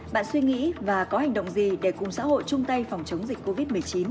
bạn suy nghĩ và có hành động gì để cùng xã hội chung tay phòng chống dịch covid một mươi chín